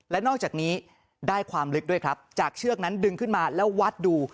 และนอกจากนี้ได้ความลึกด้วยครับจากเชือกนั้นดึงขึ้นมาแล้ววัดดู